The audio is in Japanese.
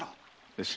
よし。